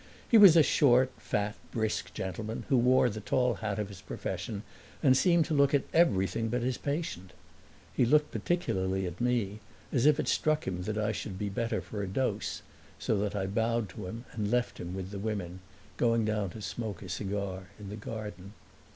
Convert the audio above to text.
He was a short, fat, brisk gentleman who wore the tall hat of his profession and seemed to look at everything but his patient. He looked particularly at me, as if it struck him that I should be better for a dose, so that I bowed to him and left him with the women, going down to smoke a cigar in the garden.